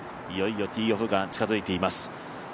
いよいよ、ティーオフが近づいています。